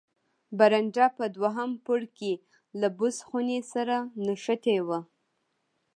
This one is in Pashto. برنډه په دوهم پوړ کې له بوس خونې سره نښته وه.